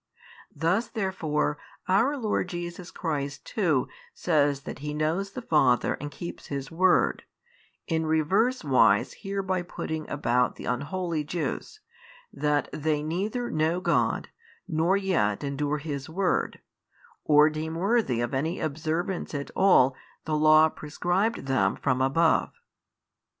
Thus therefore our Lord Jesus Christ too says that He knows the Father and keeps His word, in reverse wise hereby putting about the unholy Jews, that they neither know God nor yet endure His word, or deem worthy of any observance at all the Law prescribed them from above.